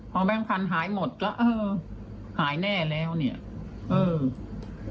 พอแบงค์พันธุ์หายหมดก็เออหายแน่แล้วเนี่ยเออ